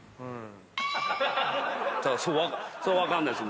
それ分かんないです